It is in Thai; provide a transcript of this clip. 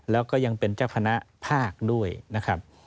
แล้วก็ยังเป็นเจ้าคณะภาคด้วยนะครับ